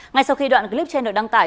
ngay sau khi đoạn clip trên được đăng tải